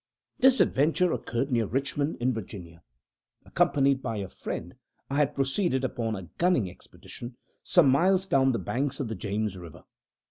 This adventure occurred near Richmond, in Virginia. Accompanied by a friend, I had proceeded, upon a gunning expedition, some miles down the banks of the James River.